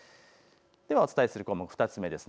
ではお伝えする項目、２つ目です。